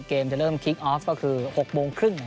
เกมจะเริ่มคิกออฟก็คือ๖โมงครึ่ง